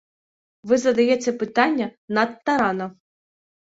Вы задаеце пытанне надта рана.